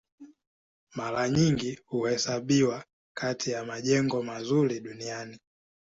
Mara nyingi huhesabiwa kati ya majengo mazuri duniani.